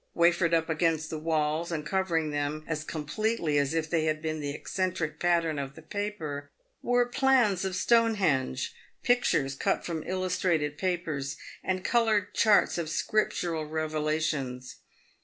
"Wafered up against the walls, and covering them as completely as if they had been the eccentric pattern of the paper, were plans of Stonehenge, pictures cut from illustrated papers, and coloured charts of scriptural revela tions.